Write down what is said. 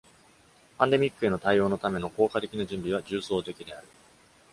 パンデミックへの対応のための効果的な準備は重層的である。